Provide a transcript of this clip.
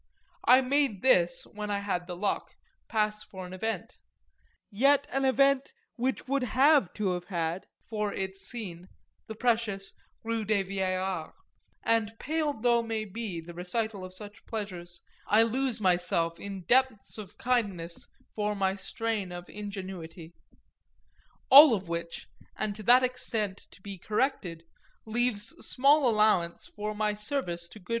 I made this, when I had the luck, pass for an event yet an event which would have to have had for its scene the precious Rue des Vieillards, and pale though may be the recital of such pleasures I lose myself in depths of kindness for my strain of ingenuity. All of which, and to that extent to be corrected, leaves small allowance for my service to good M.